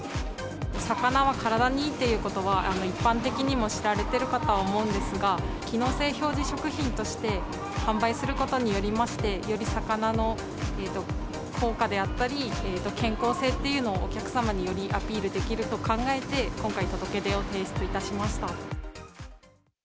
魚は体にいいっていうことは、一般的にも知られてるかとは思うんですが、機能性表示食品として販売することによりまして、より魚の効果であったり、健康性っていうのをお客様によりアピールできると考えて、今回、届け出を提出いたしました。